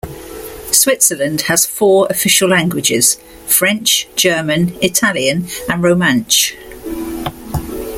Switzerland has four official languages, French, German, Italian, and Romansh.